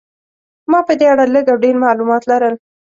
ما په دې اړه لږ او ډېر معلومات لرل.